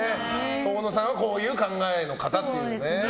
遠野さんはこういう考えの方っていうね。